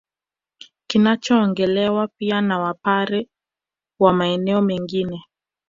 Kinachoongelewa pia na Wapare wa maeneo mengine